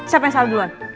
siapa yang salah duluan